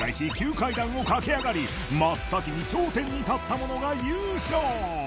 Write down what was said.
階段を駆け上がり真っ先に頂点に立った者が優勝